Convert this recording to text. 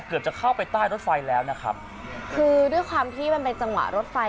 เกือบจะเข้าไปใต้รถไฟแล้วนะครับคือด้วยความที่มันเป็นจังหวะรถไฟ